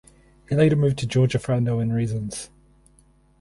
He later moved to Georgia for unknown reasons.